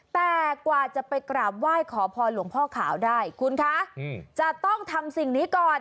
แต่กว่าจะไปกราบไหว้ขอพรหลวงพ่อขาวได้คุณคะจะต้องทำสิ่งนี้ก่อน